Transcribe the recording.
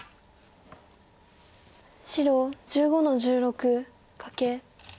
白１５の十六カケ。